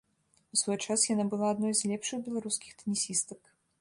У свой час яна была адной з лепшых беларускіх тэнісістак.